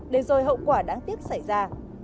đều rồi hậu quả đáng tiếc xảy ra